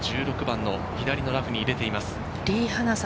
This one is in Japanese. リ・ハナが１６番の左のラフに入れています。